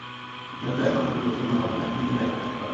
যেহেতু একবার সুযোগ পেয়েছি, মূল লক্ষ্য থাকবে নিজের জায়গাটা শক্ত করা।